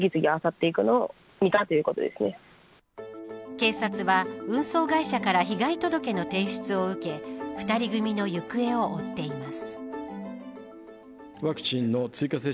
警察は運送会社から被害届の提出を受け２人組の行方を追っています。